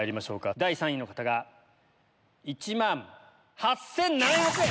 第３位の方が１万８７００円。